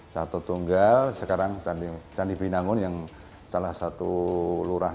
catur tunggal sekarang candi binangun yang salah satu lurahan